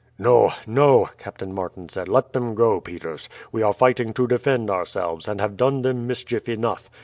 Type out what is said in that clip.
"No, no," Captain Martin said, "let them go, Peters; we are fighting to defend ourselves, and have done them mischief enough.